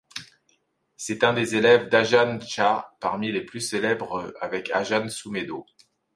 C'est un des élèves d'Ajahn Chah parmi les plus célèbres, avec Ajahn Sumedho.